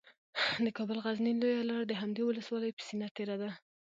د کابل غزني لویه لاره د همدې ولسوالۍ په سینه تیره ده